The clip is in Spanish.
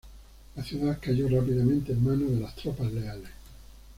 La ciudad cayó rápidamente en manos de las tropas leales.